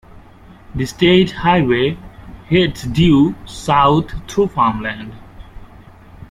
The state highway heads due south through farmland.